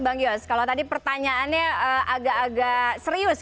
bang yos kalau tadi pertanyaannya agak agak serius